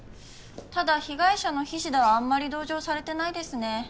ただ被害者の菱田はあんまり同情されてないですね。